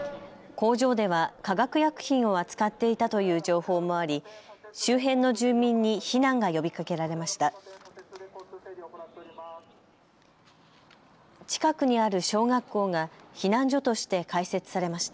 工場では化学薬品を扱っていたという情報もあり周辺の住民に避難が呼びかけられました。